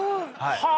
はい。